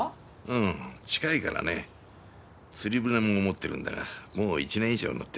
うん近いからね釣り船も持ってるんだがもう１年以上乗ってないよ